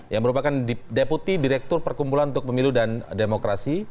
yang merupakan deputi direktur perkumpulan untuk pemilu dan demokrasi